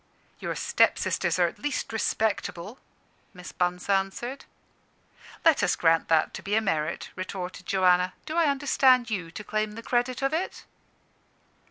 "Your step sisters are at least respectable," Miss Bunce answered. "Let us grant that to be a merit," retorted Joanna: "Do I understand you to claim the credit of it?"